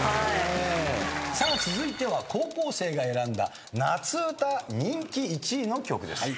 さあ続いては高校生が選んだ夏うた人気１位の曲です。